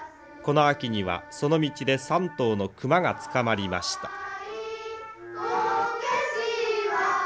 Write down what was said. この秋にはその道で３頭の熊が捕まりました。